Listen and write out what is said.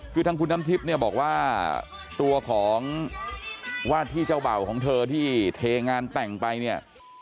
คือทางคุณน้ำทิพย์เนี่ยบอกว่าตัวของวาดที่เจ้าเบ่าของเธอที่เทงานแต่งไปเนี่ย